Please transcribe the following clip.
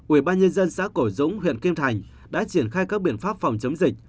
ủy ban nhân dân xã cổ dũng huyện kim thành đã triển khai các biện pháp phòng chống dịch